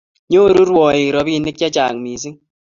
Nyoru rwoik ropinik che chang mising